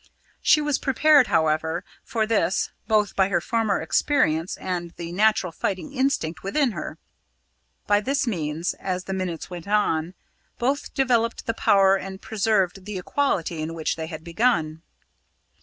She was prepared, however, for this, both by her former experience and the natural fighting instinct within her. By this means, as the minutes went on, both developed the power and preserved the equality in which they had begun.